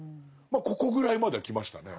まあここぐらいまでは来ましたね。